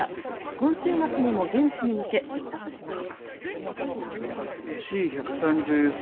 今週末にも現地に向け、出発します。